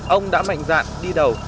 ông đã mạnh dạn đi đầu